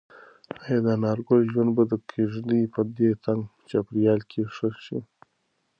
ایا د انارګل ژوند به د کيږدۍ په دې تنګ چاپیریال کې ښه شي؟